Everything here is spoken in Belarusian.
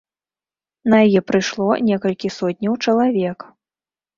На яе прыйшло некалькі сотняў чалавек.